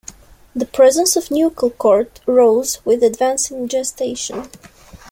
The presence of nuchal cord rose with advancing gestation.